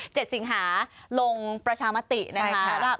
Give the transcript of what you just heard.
เจ็ดสิงหาลงประชามตินะครับ